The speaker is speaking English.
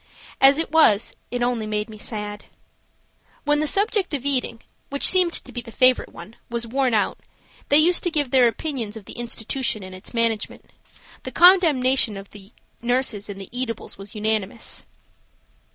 As it was it only made me sad. When the subject of eating, which seemed to be the favorite one, was worn out, they used to give their opinions of the institution and its management. The condemnation of the nurses and the eatables was unanimous.